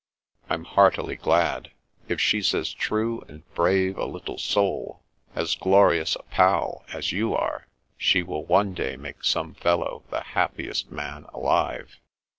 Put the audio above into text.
*^ I'm heartily glad. If she's as true and brave a little soul, as glorious a pal as you are, she will one day make some fellow the happiest man alive."